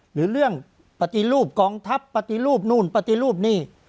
หรือเรื่องปฏิรูปกองทัพปฏิรูปนู่นปฏิรูปนี่